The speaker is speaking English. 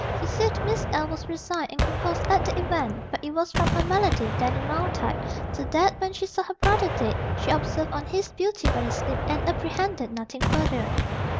He said Miss L. was resigned and composed at the event, but it was from her malady, then in mild type, so that when she saw her brother dead, she observed on his beauty when asleep and apprehended nothing further.